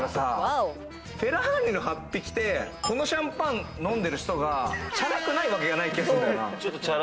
フェラーリのハッピ着て、このシャンパン飲んでる人がチャラくないわけがない。